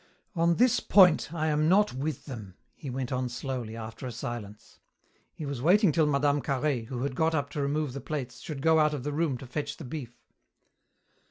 "On this point I am not with them," he went on slowly, after a silence. He was waiting till Mme. Carhaix, who had got up to remove the plates, should go out of the room to fetch the beef.